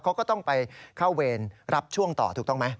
เขาก็ต้องไปเข้าเวรรับช่วงต่อถูกต้องไหม